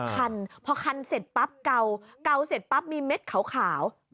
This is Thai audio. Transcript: คันพอคันเสร็จปั๊บเก่าเกาเสร็จปั๊บมีเม็ดขาว